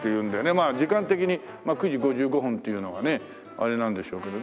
まあ時間的に９時５５分っていうのがねあれなんでしょうけど。